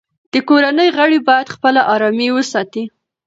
د کورنۍ غړي باید خپله ارامي وساتي.